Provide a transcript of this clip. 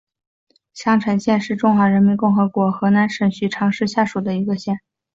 襄城县是中华人民共和国河南省许昌市下属的一个县。